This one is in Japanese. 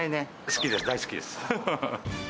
好きです、大好きです。